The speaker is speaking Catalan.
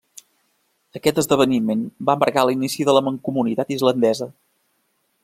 Aquest esdeveniment va marcar l'inici de la Mancomunitat islandesa.